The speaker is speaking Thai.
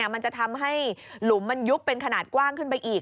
มันจะทำให้หลุมมันยุบเป็นขนาดกว้างขึ้นไปอีก